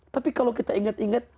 tapi kalau kita ingat ingat